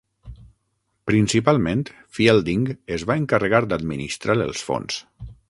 Principalment, Fielding es va encarregar d'administrar els fons.